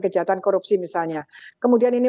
kejahatan korupsi misalnya kemudian ini